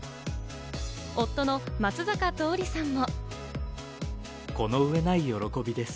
夫の松坂桃李さんも。